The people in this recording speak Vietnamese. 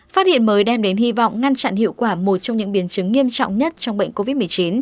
phát hiện mới đem đến hy vọng ngăn chặn hiệu quả một trong những biến chứng nghiêm trọng nhất trong bệnh covid một mươi chín